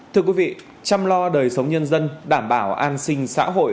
thưa quý vị chăm lo đời sống nhân dân đảm bảo an sinh xã hội